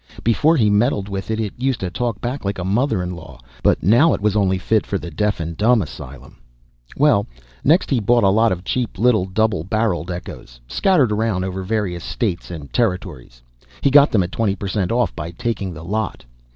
Before he meddled with it, it used to talk back like a mother in law, but now it was only fit for the deaf and dumb asylum. Well, next he bought a lot of cheap little double barreled echoes, scattered around over various states and territories; he got them at twenty per cent. off by taking the lot.